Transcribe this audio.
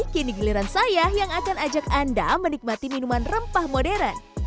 kini giliran saya yang akan ajak anda menikmati minuman rempah modern